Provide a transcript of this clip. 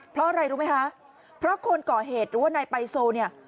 เพราะอะไรรู้ไหมคะเพราะคนก่อเหตุหรือว่านายไปโซเนี่ย